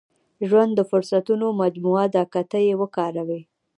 • ژوند د فرصتونو مجموعه ده، که ته یې وکاروې.